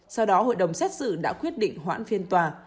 sau đó hội đồng xét xử đã quyết định hoãn phiên tòa